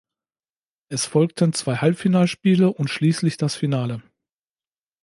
Es folgten zwei Halbfinalspiele und schließlich das Finale.